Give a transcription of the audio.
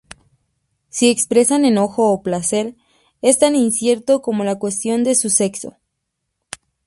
Si expresan enojo o placer es tan incierto como la cuestión de su sexo.